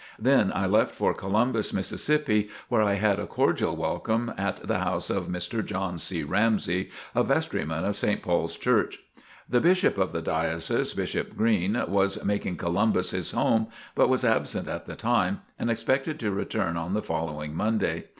Then I left for Columbus, Mississippi, where I had a cordial welcome at the house of Mr. John C. Ramsey, a vestryman of St. Paul's Church. The Bishop of the Diocese, Bishop Green, was making Columbus his home, but was absent at the time and expected to return on the following Monday.